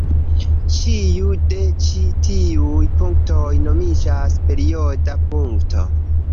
Ĉiu de ĉi tiuj punktoj nomiĝas perioda punkto.